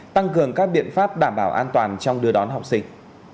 tăng cường các biện pháp đảm bảo an toàn trong đưa đón học sinh